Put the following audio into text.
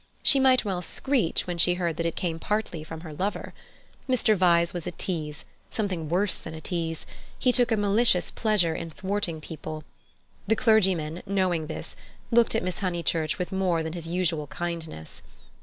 She might well "screech" when she heard that it came partly from her lover. Mr. Vyse was a tease—something worse than a tease: he took a malicious pleasure in thwarting people. The clergyman, knowing this, looked at Miss Honeychurch with more than his usual kindness.